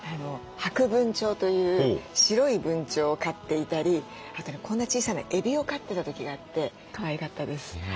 ハクブンチョウという白いブンチョウを飼っていたりあとねこんな小さなエビを飼ってた時があってかわいかったです。